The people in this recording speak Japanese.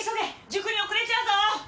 塾に遅れちゃうぞ！